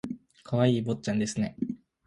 可愛い坊ちゃんですね